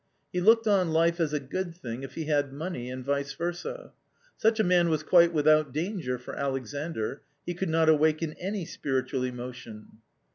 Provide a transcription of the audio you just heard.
He looked on life as a good thing if he had money, and vice versd. Such a man was quite without danger for Alexandr; he could not awaken any spiritual emotion.